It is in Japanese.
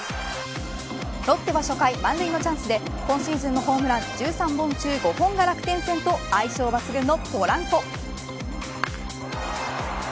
ロッテは初回満塁のチャンスで今シーズンのホームラン１３本中５本が楽天戦と相性抜群のポランコ。